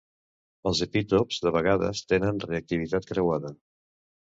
Els epítops de vegades tenen reactivitat creuada.